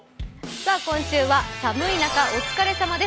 今週は「寒い中お疲れさまです！